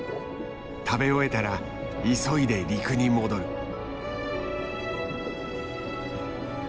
食べ終えたら急いで陸に戻る。